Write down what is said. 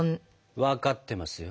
分かってますよ。